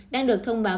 đang được thông báo